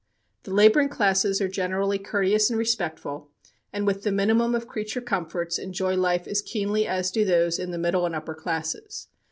"The laboring classes are generally courteous and respectful, and with the minimum of creature comforts enjoy life as keenly as do those in the middle and upper classes.